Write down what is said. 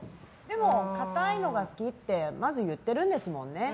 硬いのが好きってまず言ってるんですものね。